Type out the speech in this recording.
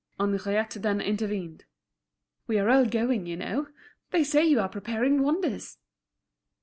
Henriette then intervened. "We are all going, you know. They say you are preparing wonders."